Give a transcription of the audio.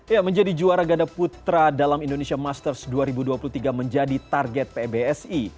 ya menjadi juara ganda putra dalam indonesia masters dua ribu dua puluh tiga menjadi target pbsi